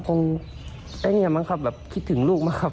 ผมได้เงียบมากครับแบบคิดถึงลูกมากครับ